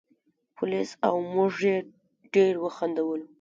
پولیس او موږ یې ډېر وخندولو.